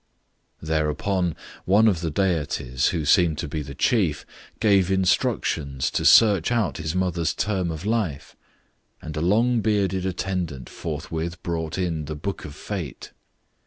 Thereupon one of the deities, who seemed to be the chief, gave instructions to search out his mother's term of life, and a long bearded attendant forthwith brought in the Book of Fate.